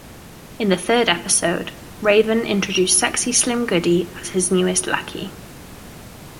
In the third episode, Raven introduced Sexy Slim Goody as his newest lackey.